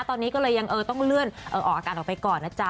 ตอนนี้ก็เลยยังต้องเลื่อนออกอากาศออกไปก่อนนะจ๊ะ